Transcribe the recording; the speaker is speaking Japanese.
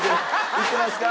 いってますか？